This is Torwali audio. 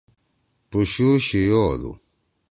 پُشُو شِیو ہودُو۔